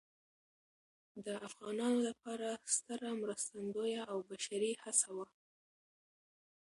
د افغانانو لپاره ستره مرستندویه او بشري هڅه وه.